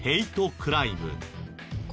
クライム。